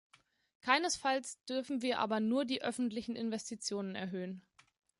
Keinesfalls dürfen wir aber nur die öffentlichen Investitionen erhöhen.